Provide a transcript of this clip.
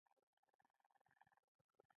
وږي وږي ماشومان ویښوي